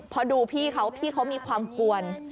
พอดูพี่เขาพี่เขามีความกวน